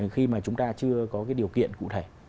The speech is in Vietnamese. khi mà chúng ta chưa có cái điều kiện cụ thể